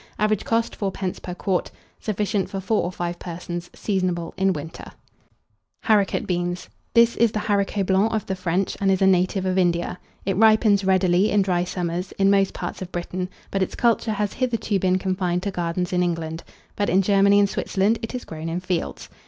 Average cost, 4d. per quart. Sufficient for 4 or 5 persons. Seasonable in winter. HARICOT BEANS. This is the haricot blanc of the French, and is a native of India. It ripens readily, in dry summers, in most parts of Britain, but its culture has hitherto been confined to gardens in England; but in Germany and Switzerland it is grown in fields.